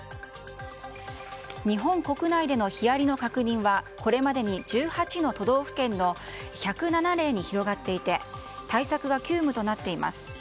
日本国内でのヒアリの確認はこれまでに１８の都道府県の１０７例に広がっていて対策が急務となっています。